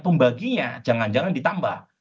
pembaginya jangan jangan ditambah